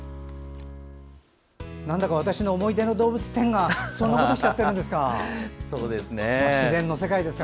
なんだか私の思い出の動物、テンがそんなことしちゃってるんですか。